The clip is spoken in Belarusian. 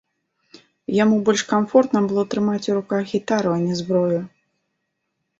Яму больш камфортна было трымаць у руках гітару, а не зброю.